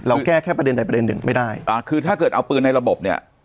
แก้แค่ประเด็นใดประเด็นหนึ่งไม่ได้อ่าคือถ้าเกิดเอาปืนในระบบเนี่ย